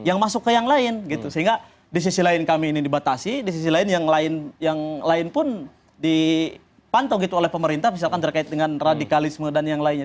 yang masuk ke yang lain gitu sehingga di sisi lain kami ini dibatasi di sisi lain yang lain pun dipantau gitu oleh pemerintah misalkan terkait dengan radikalisme dan yang lainnya